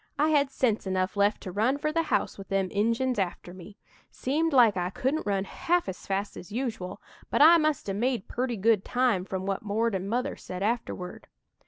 I had sense enough left to run for the house with them Injuns after me. Seemed like I couldn't run half as fast as usual, but I must 'a' made purty good time, from what 'Mord' an' Mother said afterward.